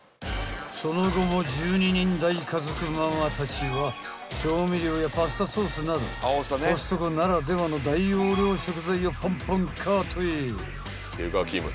［その後も１２人大家族ママたちは調味料やパスタソースなどコストコならではの大容量食材をポンポンカートへ］